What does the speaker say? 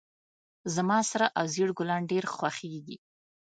زما سره او زیړ ګلان ډیر خوښیږي